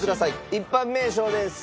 一般名称です。